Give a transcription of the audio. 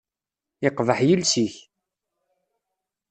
Yeqbeḥ yiles-ik.